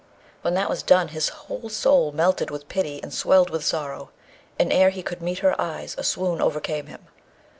When that was done, his whole soul melted with pity and swelled with sorrow, and ere he could meet her eyes a swoon overcame him.